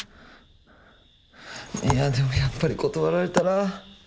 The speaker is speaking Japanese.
いやでもやっぱり断られたら。